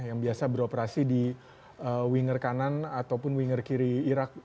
yang biasa beroperasi di winger kanan ataupun winger kiri irak